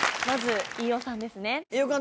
まず飯尾さんですね。